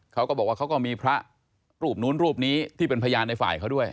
เขาก็บอกว่าเขาก็มีพระรูปนู้นรูปนี้ที่เป็นพยานในฝ่ายเขาด้วย